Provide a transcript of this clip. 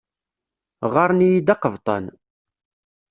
Ɣɣaren-iyi-d aqebṭan.